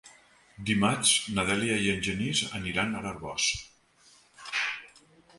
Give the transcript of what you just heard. Dimarts na Dèlia i en Genís aniran a l'Arboç.